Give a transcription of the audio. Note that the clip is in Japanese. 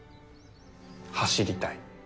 走りたい。